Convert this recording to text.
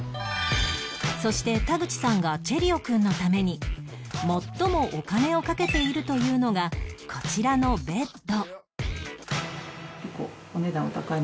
そして田口さんがチェリオくんのために最もお金をかけているというのがこちらのベッド